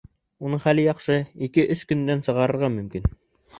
Уның хәле яҡшы, ике-өс көндән сығарырға мөмкин.